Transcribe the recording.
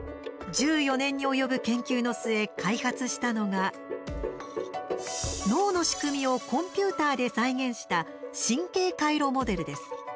１４年に及ぶ研究の末開発したのが脳の仕組みをコンピューターで再現した神経回路モデルです。